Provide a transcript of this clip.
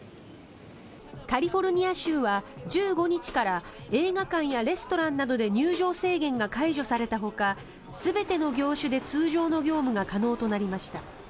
カリフォルニア州は１５日から映画館やレストランなどで入場制限が解除されたほか全ての業種で通常の業務が可能となりました。